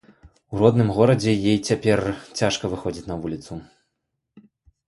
У родным горадзе ёй цяпер цяжка выходзіць на вуліцу.